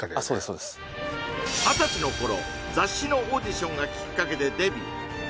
そうです二十歳の頃雑誌のオーディションがきっかけでデビュー